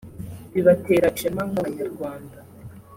bibatere ishema nk’Abanyarwanda”